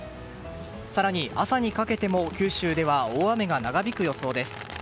更に、朝にかけても九州では大雨が長引く予想です。